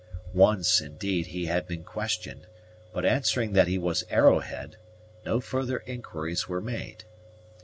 Once, indeed, he had been questioned; but answering that he was Arrowhead, no further inquiries were made.